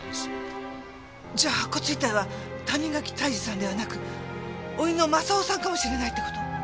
じゃあ白骨遺体は谷垣泰治さんではなく甥の正雄さんかもしれないって事？